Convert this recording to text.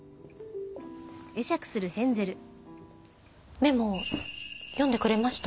メモ読んでくれました？